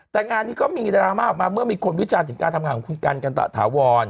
แต่งานนี้ก็มีดราม่าออกมาเมื่อมีคนวิจารณ์ถึงการทำงานของคุณกันกันตะถาวร